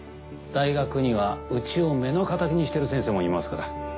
大学にはうちを目の敵にしてる先生もいますから。